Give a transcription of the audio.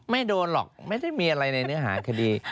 ไม่โดนหรอกไม่ได้มีอะไรในเนื้อหาคดี